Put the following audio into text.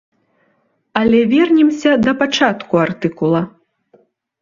Але вернемся да пачатку артыкула.